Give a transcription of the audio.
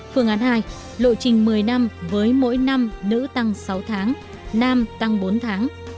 phương án hai lộ trình một mươi năm với mỗi năm nữ tăng sáu tháng nam tăng bốn tháng